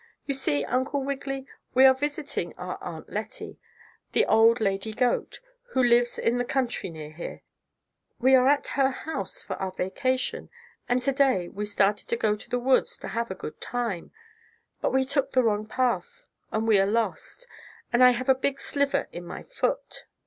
"You see, Uncle Wiggily, we are visiting our Aunt Lettie, the old lady goat, who lives in the country near here. We are at her house for our vacation, and to day we started to go to the woods to have a good time, but we took the wrong path and we are lost, and I have a big sliver in my foot."